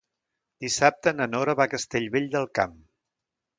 Dissabte na Nora va a Castellvell del Camp.